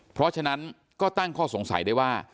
เพราะฉะนั้นก็ตั้งข้อสงสัยได้ว่า